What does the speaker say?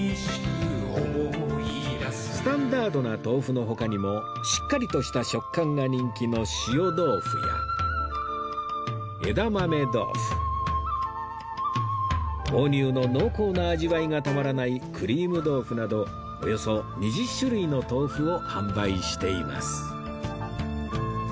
スタンダードな豆腐の他にもしっかりとした食感が人気の塩豆腐や枝豆豆腐豆乳の濃厚な味わいがたまらないクリーム豆腐などおよそ２０種類の豆腐を販売しています